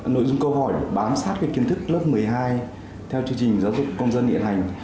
nội dung câu hỏi là bám sát kiến thức lớp một mươi hai theo chương trình giáo dục công dân hiện hành